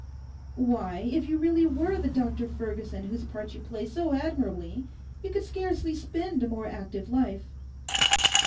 Why, if you really were the Dr Ferguson whose part you play so admirably you could scarcely spend a more active life.